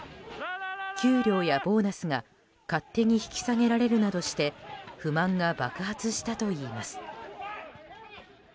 給料やボーナスが勝手に引き下げられるなどして不満が爆発したといいます。